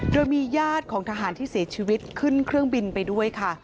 โดยมีญาติของทหารที่เสียชีวิตขึ้นเครื่องบินไปด้วยค่ะ